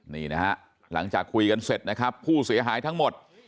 นี่นะฮะหลังจากคุยกันเสร็จนะครับผู้เสียหายทั้งหมด